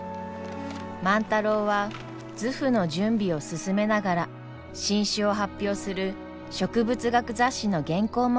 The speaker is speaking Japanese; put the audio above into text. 万太郎は図譜の準備を進めながら新種を発表する植物学雑誌の原稿も書いていました。